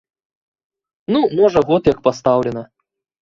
Ну можа год як пастаўлена.